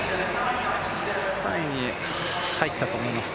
３位に入ったと思いますね。